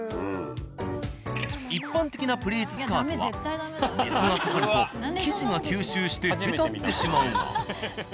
一般的なプリーツスカートは水がかかると生地が吸収してへたってしまうが。